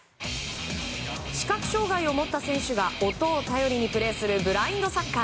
視覚障害を持った選手が音を頼りにプレーするブラインドサッカー。